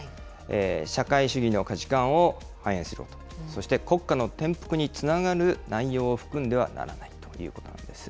社会主義の価値観を反映する、そして国家の転覆につながる内容を含んではならないということなんです。